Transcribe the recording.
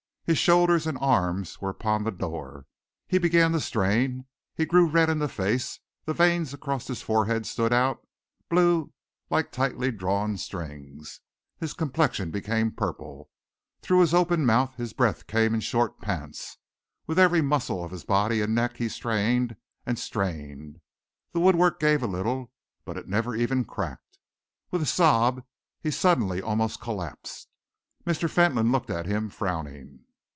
His shoulders and arms were upon the door. He began to strain. He grew red in the face; the veins across his forehead stood out, blue, like tightly drawn string. His complexion became purple. Through his open mouth his breath came in short pants. With every muscle of his body and neck he strained and strained. The woodwork gave a little, but it never even cracked. With a sob he suddenly almost collapsed. Mr. Fentolin looked at him, frowning.